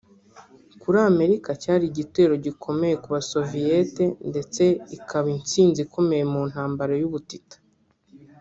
Kuri Amerika cyari igitego gikomeye ku basoviyete ndetse ikaba instinzi ikomeye mu ntambara y’ubutita